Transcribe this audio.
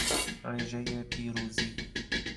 رژهی پیروزی